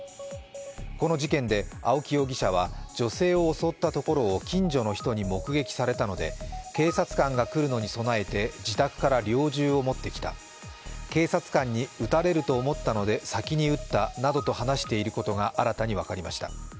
この事件で青木容疑者は、女性を襲ったところを近所の人に目撃されたので警察官が来るのに備えて自宅から猟銃を持ってきた、警察官に撃たれると思ったので先に撃ったなどと話していることが新たに分かりました。